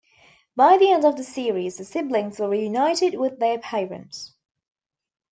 By the end of the series, the siblings were reunited with their parents.